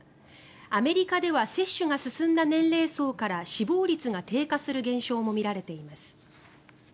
アメリカでは接種が進んだ年齢層から死亡率が低下する現象も見られています。